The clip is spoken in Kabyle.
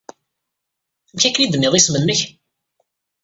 Amek akken ay d-tenniḍ isem-nnek?